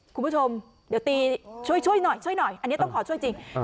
คุณผู้ชมเดี๋ยวตีช่วยหน่อยอันนี้ต้องขอช่วยจริง